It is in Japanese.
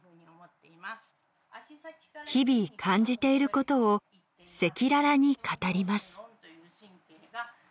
日々感じていることを赤裸々に語ります。